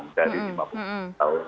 jadi lima puluh tahun